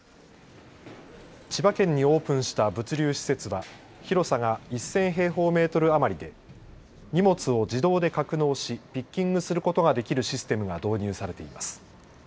千葉県にオープンした物流施設は広さが１０００平方メートル余りで荷物を自動で格納しピッキングすることができるシステムが導入されています。